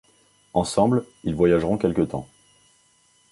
Ensemble, ils voyageront quelque temps.